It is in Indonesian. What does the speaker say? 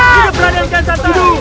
hidup berada di kianjaman